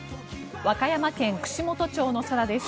和歌山県串本町の空です。